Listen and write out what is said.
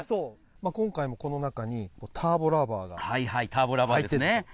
今回もこの中にターボラバーが入っているんですよ。